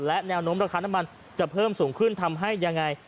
และแนวโน้มราคาน้ำมันจะเพิ่มสูงขึ้นทำให้ยังไง